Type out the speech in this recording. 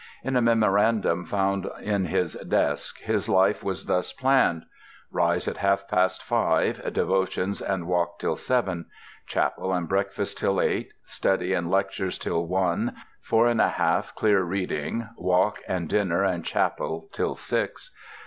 In a memorandum found in his desk his life was thus planned: "Rise at half past five. Devotions and walk till seven. Chapel and breakfast till eight. Study and lectures till one. Four and a half clear reading. Walk and dinner, and chapel to six.